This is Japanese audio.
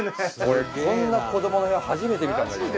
俺こんな子どもの部屋初めて見たんだけど。